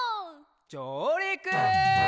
じょうりく！